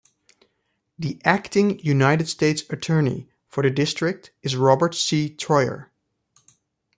The Acting United States Attorney for the District is Robert C. Troyer.